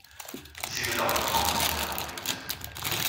Sie wird auch getrocknet gehandelt.